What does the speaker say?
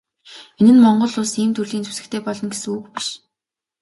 Энэ нь Монгол Улс ийм төрлийн зэвсэгтэй болно гэсэн үг биш.